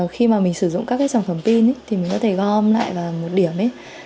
khi mình sử dụng các sản phẩm pin mình có thể gom lại một điểm